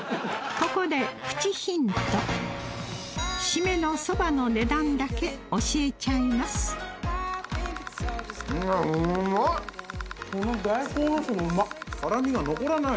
ここでプチヒント締めのそばの値段だけ教えちゃいますうまい！